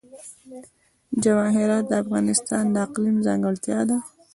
جواهرات د افغانستان د اقلیم ځانګړتیا ده.